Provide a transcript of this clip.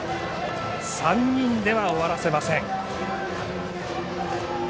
３人では終わらせません。